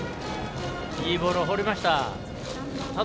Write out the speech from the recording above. いいボールを放りました。